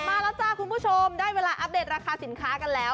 ตลอดตลาดมาแล้วคุณผู้ชมได้เวลาอัพเดทราคาสินค้ากันแล้ว